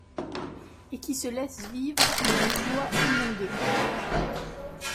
Et qui se laissent vivre et de joie inonder